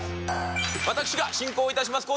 私が進行をいたします